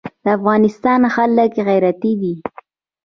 د افغانستان خلک غیرتي دي